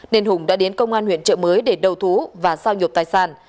nên hùng đã đến công an huyện trợ mới để đầu thú và sao nhuộm tài sản